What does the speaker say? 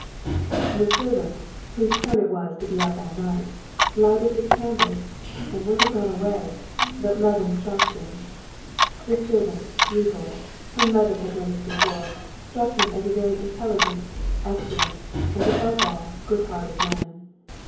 The servant, whose turn it was to be up all night, lighted his candles, and would have gone away, but Levin stopped him. This servant, Yegor, whom Levin had noticed before, struck him as a very intelligent, excellent, and, above all, good hearted man.